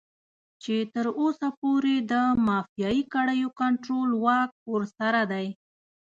چې تر اوسه پورې د مافيايي کړيو کنټرول واک ورسره دی.